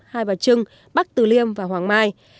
hai bà trưng bắc từ liêm và hoàng mai